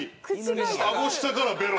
あご下からべろ。